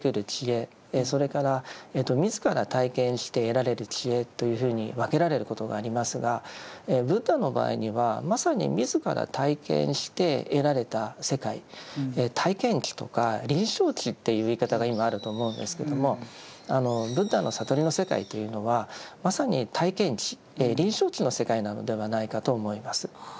それから自ら体験して得られる知恵というふうに分けられることがありますがブッダの場合にはまさに自ら体験して得られた世界体験知とか臨床知っていう言い方が今あると思うんですけどもブッダの悟りの世界というのはまさに体験知臨床知の世界なのではないかと思います。